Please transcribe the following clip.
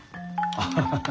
アハハハ。